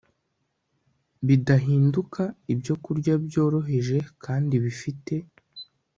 bidahinduka ibyokurya byoroheje kandi bifite